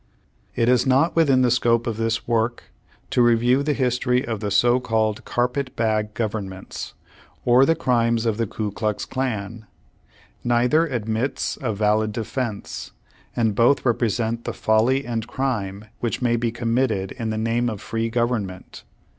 It is not within the scope of this work to review the history of the so called "carpet bag" govern ments, or the crimes of the Ku Klux Clan. Neither admits of valid defence, and both repre sent the folly and crim.e v/hich may be committed in the name of free government.